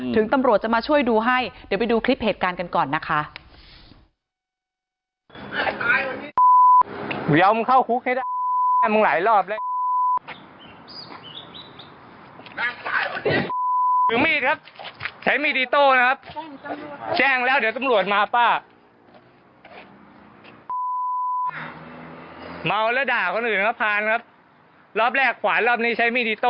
ถึงตำรวจจะมาช่วยดูให้เดี๋ยวไปดูคลิปเหตุการณ์กันก่อนนะคะ